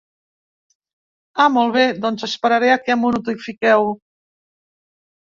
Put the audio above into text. Ah molt bé, doncs esperaré a que m'ho notifiqueu.